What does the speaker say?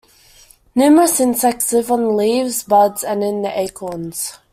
Numerous insects live on the leaves, buds, and in the acorns.